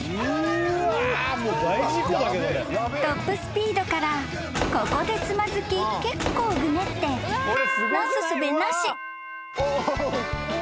［トップスピードからここでつまずき結構ぐねってなすすべなし］